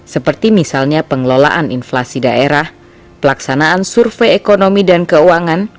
seperti misalnya pengelolaan inflasi daerah pelaksanaan survei ekonomi dan keuangan